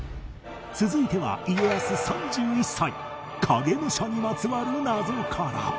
続いては家康３１歳影武者にまつわる謎から